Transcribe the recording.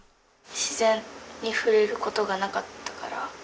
自然に触れる事がなかったから。